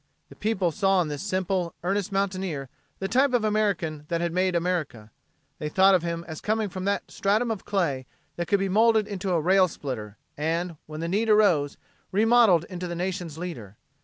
The people saw in this simple, earnest mountaineer the type of American that had made America. They thought of him as coming from that stratum of clay that could be molded into a rail splitter and, when the need arose, remodeled into the nation's leader.